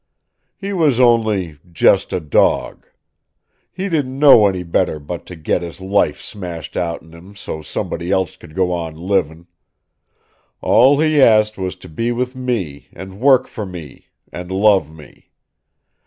He was only just a dog. He didn't know any better but to get his life smashed out'n him, so somebody else could go on living. All he asked was to be with me and work for me and love me.